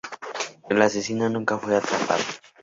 El asesino nunca fue atrapado.